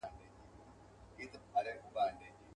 مُلا هم سو پکښي سپور په جګه غاړه.